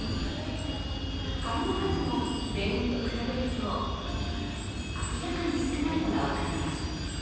花の数も例年と比べると、明らかに少ないのが分かります。